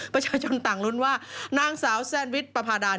ประชาชนต่างลุ้นว่านางสาวแซนวิชประพาดาน